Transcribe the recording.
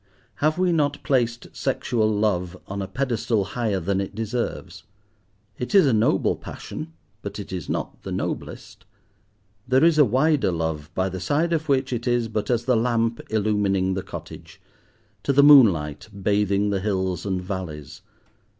Have we not placed sexual love on a pedestal higher than it deserves? It is a noble passion, but it is not the noblest. There is a wider love by the side of which it is but as the lamp illumining the cottage, to the moonlight bathing the hills and valleys.